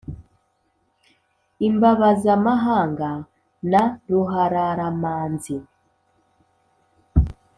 Imbabazamahanga na Ruhararamanzi